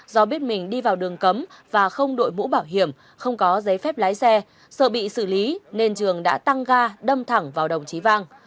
do biết mình đi vào đường cấm và không đội mũ bảo hiểm không có giấy phép lái xe sợ bị xử lý nên trường đã tăng ga đâm thẳng vào đồng chí vang